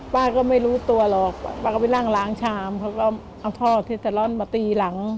ป้าก็ไม่รู้ตัวหรอกป้าก็ไปนั่งล้างชามเขาก็เอาท่อที่สลอนมาตีหลัง